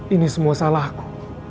ini semua salahku